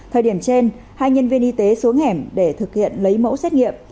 thời điểm trên hai nhân viên y tế xuống hẻm để thực hiện lấy mẫu xét nghiệm